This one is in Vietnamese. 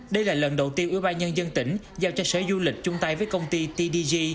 đây là lần đầu tiên ủy ban nhân dân tỉnh giao cho sở du lịch chung tay với công ty tdg